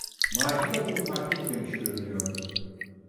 Macide bunu fark etmemiş görünüyordu.